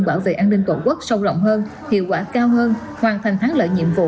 bảo vệ an ninh tổ quốc sâu rộng hơn hiệu quả cao hơn hoàn thành thắng lợi nhiệm vụ